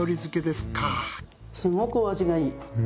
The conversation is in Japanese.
すごくお味がいい。